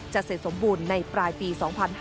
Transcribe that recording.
เสร็จสมบูรณ์ในปลายปี๒๕๕๙